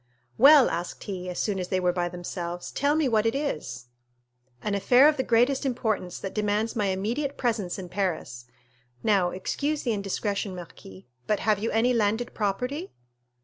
"Well," asked he, as soon as they were by themselves, "tell me what it is?" "An affair of the greatest importance, that demands my immediate presence in Paris. Now, excuse the indiscretion, marquis, but have you any landed property?"